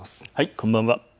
こんばんは。